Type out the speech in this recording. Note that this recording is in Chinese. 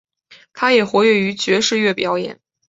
他也活跃于爵士乐表演。